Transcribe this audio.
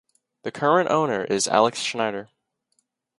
The current owner is Alex Shnaider.